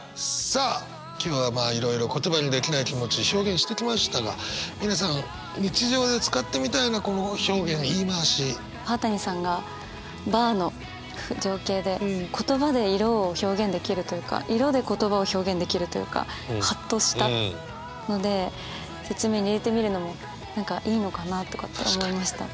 さあ今日はいろいろ言葉にできない気持ち表現してきましたが皆さん川谷さんがＢＡＲの情景で言葉で色を表現できるというか色で言葉を表現できるというかハッとしたので説明に入れてみるのも何かいいのかなとかって思いました。